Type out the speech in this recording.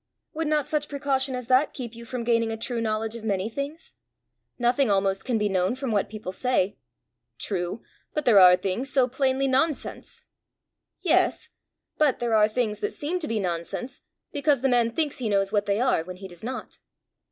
"Would not such precaution as that keep you from gaining a true knowledge of many things? Nothing almost can be known from what people say." "True; but there are things so plainly nonsense!" "Yes; but there are things that seem to be nonsense, because the man thinks he knows what they are when he does not.